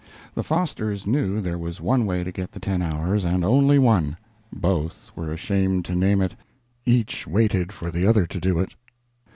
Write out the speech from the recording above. The Fosters knew there was one way to get the ten hours, and only one. Both were ashamed to name it; each waited for the other to do it.